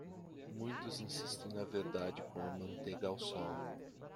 Muitos insistem na verdade como manteiga ao sol.